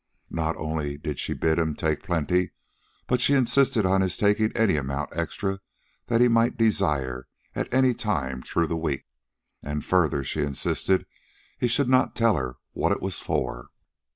Not only did she bid him take plenty but she insisted on his taking any amount extra that he might desire at any time through the week. And, further, she insisted he should not tell her what it was for.